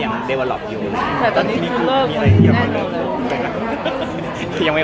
อเจมส์ออกไว้กับท่านเดิม